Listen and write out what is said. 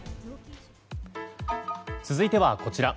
続いてはこちら。